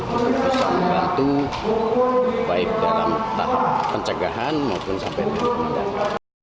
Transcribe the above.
kita bisa membantu baik dalam tahap pencegahan maupun sampai kemendak